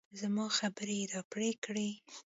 زما خبرې يې راپرې کړې.